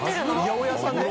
八百屋さんで？